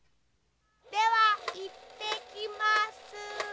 ではいってきます。